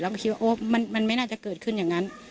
ก็คิดว่ามันไม่น่าจะเกิดขึ้นอย่างนั้น